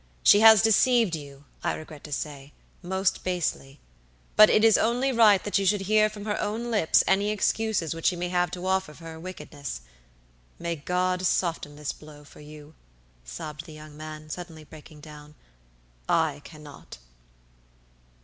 She has deceived you, I regret to say, most basely; but it is only right that you should hear from her own lips any excuses which she may have to offer for her wickedness. May God soften this blow for you!" sobbed the young man, suddenly breaking down; "I cannot!"